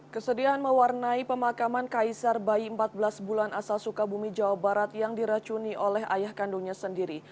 kesedihan mewarnai pemakaman kaisar bayi empat belas bulan asal sukabumi jawa barat yang diracuni oleh ayah kandungnya sendiri